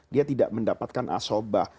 dia tidak mendapatkan asobah